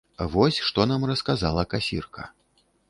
Вось што нам расказала касірка.